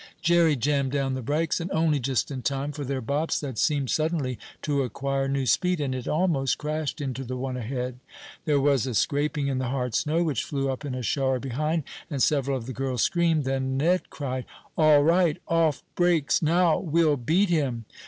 Jerry jammed down the brakes, and only just in time, for their bobsled seemed suddenly to acquire new speed, and it almost crashed into the one ahead. There was a scraping in the hard snow, which flew up in a shower behind, and several of the girls screamed. Then Ned cried: "All right! Off brakes! Now we'll beat him!"